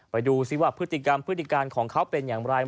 ไปดูซิว่าพฤติกรรมพฤติการของเขาเป็นอย่างไร